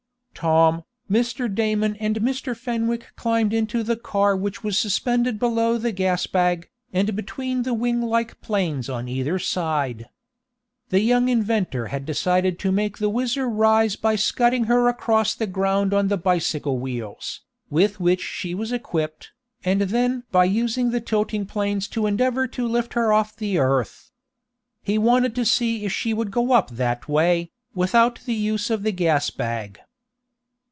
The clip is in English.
Tom, Mr. Damon and Mr. Fenwick climbed into the car which was suspended below the gas bag, and between the wing like planes on either side. The young inventor had decided to make the WHIZZER rise by scudding her across the ground on the bicycle wheels, with which she was equipped, and then by using the tilting planes to endeavor to lift her off the earth. He wanted to see if she would go up that way, without the use of the gas bag.